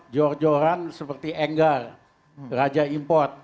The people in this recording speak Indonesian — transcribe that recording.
jor joran seperti enggar raja import